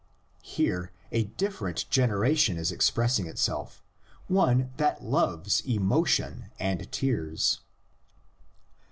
Here a different generation is expressing itself, one that loves emo tion and tears.